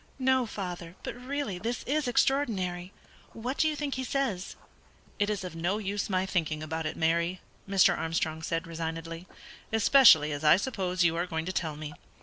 "No, father; but really this is extraordinary. What do you think he says?" "It is of no use my thinking about it, Mary," Mr. Armstrong said, resignedly, "especially as I suppose you are going to tell me.